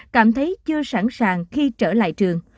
cảm thấy chưa sẵn sàng khi trở lại trường